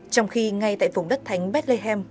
trong khi ngay tại vùng đất thánh bethlehem